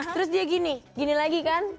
terus dia gini gini lagi kan